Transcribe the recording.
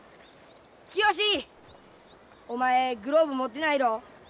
清！お前グローブ持ってないろ？